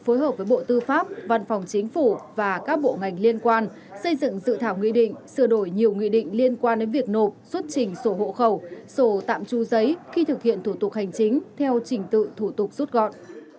phối hợp với bộ tư pháp văn phòng chính phủ và các bộ ngành liên quan xây dựng dự thảo nghị định sửa đổi nhiều nghị định liên quan đến việc nộp xuất trình sổ hộ khẩu sổ tạm tru giấy khi thực hiện thủ tục hành chính theo trình tự thủ tục rút gọn